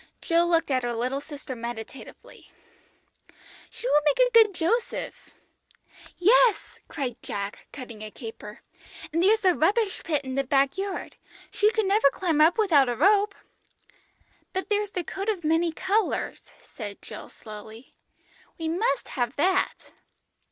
Jill looked at her little sister meditatively. "She would make a good Joseph!" "Yes," cried Jack, cutting a caper; "and there's the rubbish pit in the backyard, she could never climb up without a rope." "But there's the coat of many colours," said Jill slowly; "we must have that."